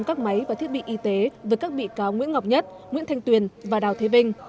các máy và thiết bị y tế với các bị cáo nguyễn ngọc nhất nguyễn thanh tuyền và đào thế vinh